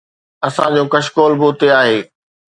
اسان جو ڪشڪول به اتي آهي.